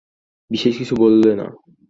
বিশেষ কিছু বললে না।